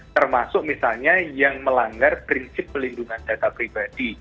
termasuk misalnya yang melanggar prinsip pelindungan data pribadi